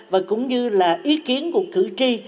và cũng như là ý kiến của cử tri